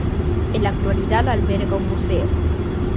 En la actualidad alberga un museo.